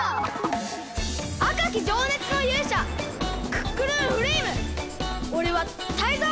あかきじょうねつのゆうしゃクックルンフレイムおれはタイゾウ！